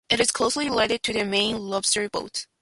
It is closely related to the Maine lobster boat.